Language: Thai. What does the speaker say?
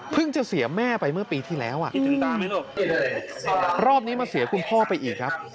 จะเสียแม่ไปเมื่อปีที่แล้วรอบนี้มาเสียคุณพ่อไปอีกครับ